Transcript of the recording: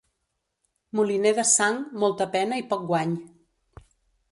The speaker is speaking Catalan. Moliner de sang, molta pena i poc guany.